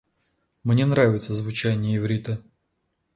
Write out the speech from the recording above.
Мне нравится звучание иврита.